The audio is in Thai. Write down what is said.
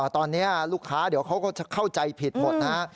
ตอนนี้ลูกค้าเดี๋ยวเขาก็จะเข้าใจผิดหมดนะฮะ